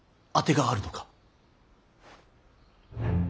当てがあるのか。